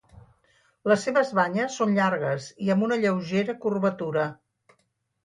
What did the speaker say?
Les seves banyes són llargues i amb una lleugera curvatura.